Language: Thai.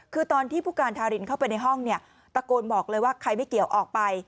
คือตอนที่ผู้การทารินเข้าไปในห้องเนี่ยตะโกนบอกเลยว่าใครไม่เกี่ยวออกไป